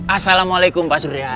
assalamu'alaikum pak surya